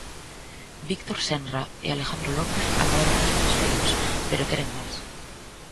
Víctor Senra e Alejandro López acabaron moi satisfeitos, pero queren máis.